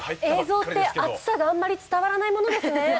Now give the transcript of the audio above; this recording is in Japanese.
映像って暑さがあまり伝わらないものですね。